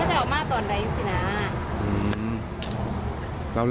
กาเฮ็ดยูนั่นทำไมละสินะ